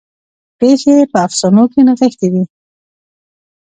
پیښې په افسانو کې نغښتې دي.